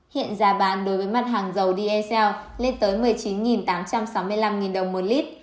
hiện giá bán đối với mặt hàng dầu dsn lên tới một mươi chín tám trăm sáu mươi năm đồng một lít